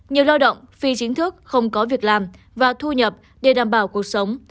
nhiều lao động phi chính thức không có việc làm và thu nhập để đảm bảo cuộc sống